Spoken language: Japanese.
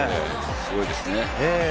すごいですね。